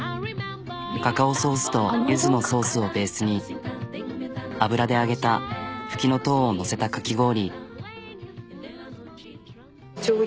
カカオソースとゆずのソースをベースに油で揚げたふきのとうを載せたかき氷。